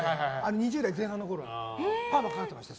２０代前半のころパーマかけてました。